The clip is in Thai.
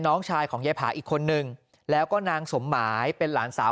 น้องชายของยายผาอีกคนนึงแล้วก็นางสมหมายเป็นหลานสาว